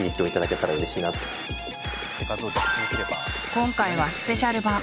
今回はスペシャル版！